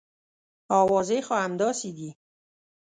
اوازې خو همداسې دي.